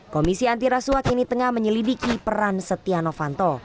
komisi antirasuak ini tengah menyelidiki peran setia novanto